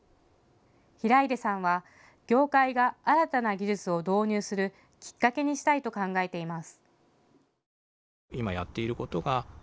平出さんは業界が新たな技術を導入するきっかけにしたいと考えています。